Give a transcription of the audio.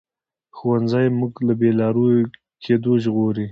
ښوونځی موږ له بې لارې کېدو ژغوري